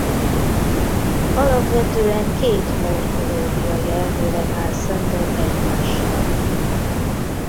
Alapvetően két morfológiai elmélet áll szemben egymással.